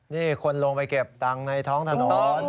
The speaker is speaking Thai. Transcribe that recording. นี่คนลงไปเก็บตังค์ในท้องถนน